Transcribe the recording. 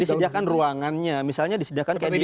disediakan ruangannya misalnya disediakan kayak gini